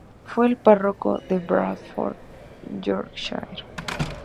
Fue párroco en Bradford, Yorkshire.